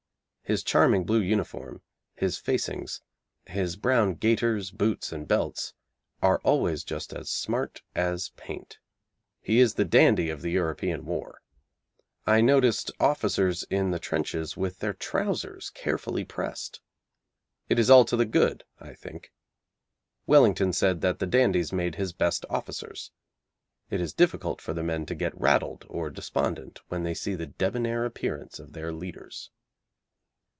His charming blue uniform, his facings, his brown gaiters, boots and belts are always just as smart as paint. He is the Dandy of the European war. I noticed officers in the trenches with their trousers carefully pressed. It is all to the good, I think. Wellington said that the dandies made his best officers. It is difficult for the men to get rattled or despondent when they see the debonair appearance of their leaders.